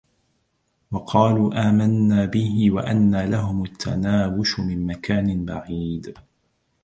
وَقالوا آمَنّا بِهِ وَأَنّى لَهُمُ التَّناوُشُ مِن مَكانٍ بَعيدٍ